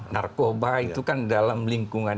narkoba itu kan dalam lingkungan